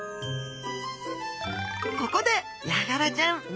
ここでヤガラちゃんミニ情報